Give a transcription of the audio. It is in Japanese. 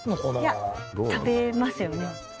いや食べますよね